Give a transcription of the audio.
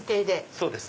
そうです。